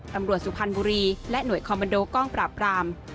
สุพรรณบุรีและหน่วยคอมมันโดกองปราบราม